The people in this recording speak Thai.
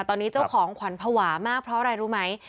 ตอนนี้เจ้าของขวัญภาวะมากเพราะอะไรรู้ไหม